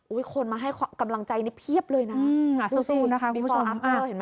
คนมาให้กำลังใจนี่เพียบเลยนะสู้นะคะคุณผู้ชม